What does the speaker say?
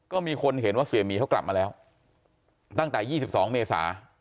ก็มีคนเห็นว่าเสียหมีเขากลับมาแล้วตั้งแต่๒๒เมษา